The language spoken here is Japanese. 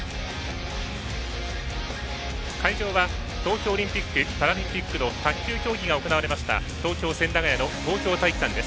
会場は東京オリンピック・パラリンピックの卓球競技が行われました東京・千駄ヶ谷の東京体育館です。